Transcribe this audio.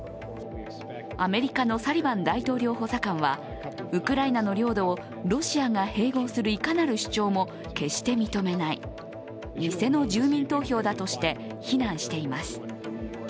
アメリカのサリバン大統領補佐官は、ウクライナの領土をロシアが併合するいかなる主張も決して認めない、偽の住民投票だとして非難しています。